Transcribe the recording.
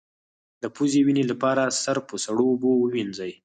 د پوزې وینې لپاره سر په سړو اوبو ووینځئ